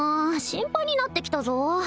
心配になってきたぞ